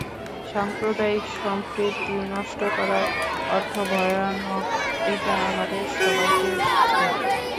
সাম্প্রদায়িক সম্প্রীতি নষ্ট করার অর্থ ভয়ানক, এটা আমাদের সবাইকে বুঝতে হবে।